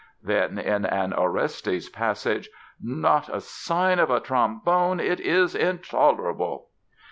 Then, in an Orestes passage: "Not a sign of a trombone; it is intolerable!"